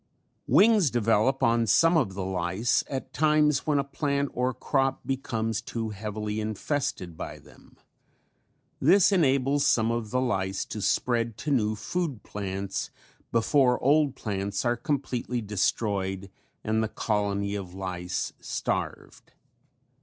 Wings develop on some of the lice at times when a plant or crop becomes too heavily infested by them. This enables some of the lice to spread to new food plants before old plants are completely destroyed and the colony of lice starved.